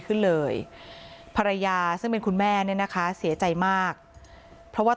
ขึ้นเลยภรรยาซึ่งเป็นคุณแม่เนี่ยนะคะเสียใจมากเพราะว่า